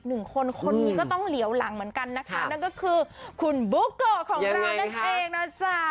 หุ่นยังแซ่บขนาดนี้นะ